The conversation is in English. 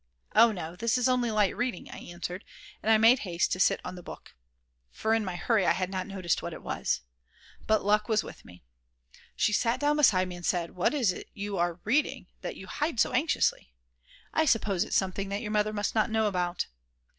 "Oh no, this is only light reading," I answered, and I made haste to sit on the book, for in my hurry I had not noticed what it was. But luck was with me. She sat down beside me and said: "What is it you are reading that you hide so anxiously? I suppose it's something that your mother must not know about."